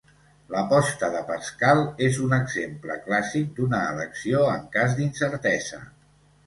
L'aposta de Pascal és un exemple clàssic d'una elecció en cas d'incertesa.